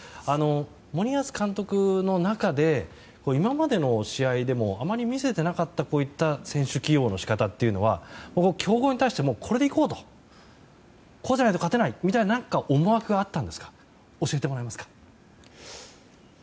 森保監督の中で今までの試合でもあまり見せていなかった選手起用の仕方は強豪に対してはこれでいこうとこうじゃないと勝てないみたいな思惑があったんですか？